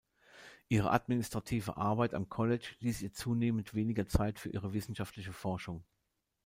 Ihre administrative Arbeit am College ließ ihr zunehmend weniger Zeit für ihre wissenschaftliche Forschung.